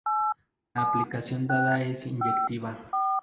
La aplicación dada es inyectiva.